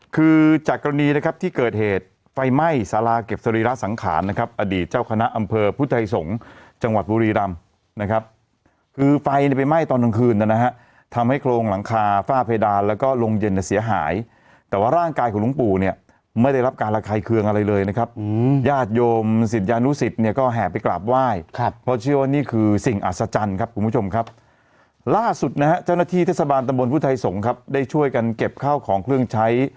คือจากกรณีนะครับที่เกิดเหตุไฟไหม้สาราเก็บสรีระสังขารนะครับอดีตเจ้าคณะอำเภอพุทธัยสงส์จังหวัดบุรีรัมป์นะครับคือไฟไปไหม้ตอนกลางคืนแล้วนะฮะทำให้โครงหลังคาฝ้าเพดานแล้วก็ลงเย็นเสียหายแต่ว่าร่างกายของหลุงปู่เนี่ยไม่ได้รับการระคายเคืองอะไรเลยนะครับอืมญาติโยมศิษยานุศิ